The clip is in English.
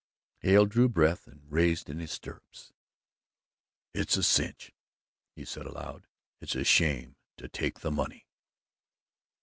Hale drew breath and raised in his stirrups. "It's a cinch," he said aloud. "It's a shame to take the money."